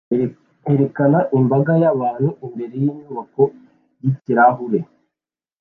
Erekana imbaga y'abantu imbere yinyubako yikirahure